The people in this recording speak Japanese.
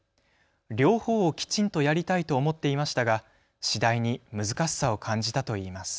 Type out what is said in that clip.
両方をきちんとやりたいと思っていましたが次第に難しさを感じたといいます。